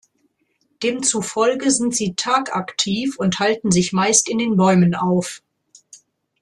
Demzufolge sind sie tagaktiv und halten sich meist in den Bäumen auf.